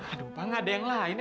aduh pak gak ada yang lain